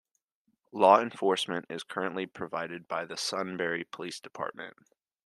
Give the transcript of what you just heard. Law enforcement is currently provided by the Sunbury Police Department.